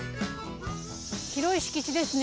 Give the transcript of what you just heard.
広い敷地ですね。